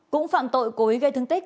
cũng phạm tội cố ý gây thương tích